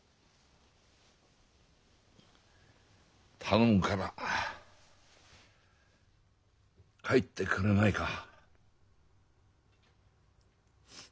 頼むから帰ってくれないか？